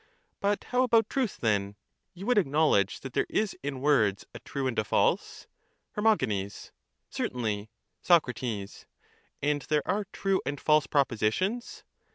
But how about truth, then? you would acknowledge that there is in words a true and a false? 385 Names and propositions. 325 Her. Certainly. Soc. And there are true and false propositions?